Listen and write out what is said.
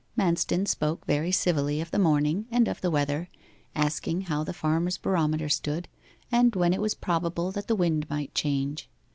Manston spoke very civilly of the morning, and of the weather, asking how the farmer's barometer stood, and when it was probable that the wind might change.